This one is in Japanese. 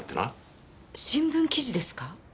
新聞記事ですか？